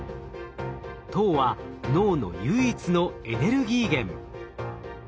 糖は脳の唯一のエネルギー源。